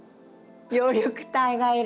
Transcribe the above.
葉緑体がいる。